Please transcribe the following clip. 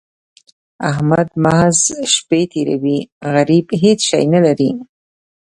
احمد محض شپې تېروي؛ غريب هيڅ شی نه لري.